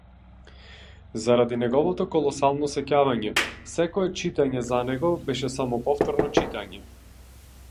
Заради неговото колосално сеќавање, секое читање за него беше само повторно читање.